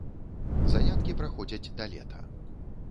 Заняткі праходзяць да лета.